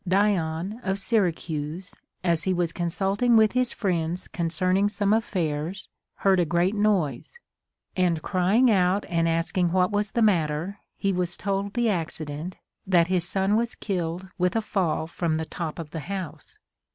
Dion of Syracuse, as he was consulting with his friends concern ing some affairs, heard a great noise ; and crying out and asking what was the matter, he was told the accident, that his son was killed Avith a fall from the top of the house.